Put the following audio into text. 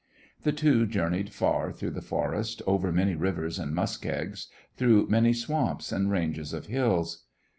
The two journeyed far through the forest, over many rivers and muskegs, through many swamps and ranges of hills.